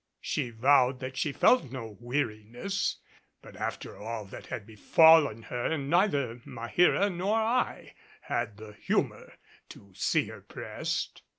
She vowed that she felt no weariness, but after all that had befallen her, neither Maheera nor I had the humor to see her pressed.